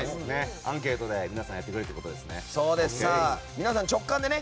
アンケートで皆さんやってくれるってことですね。